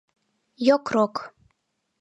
Йокрок...